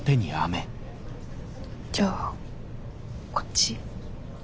じゃあこっち。